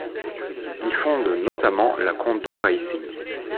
Il fonde notamment la Kondo Racing.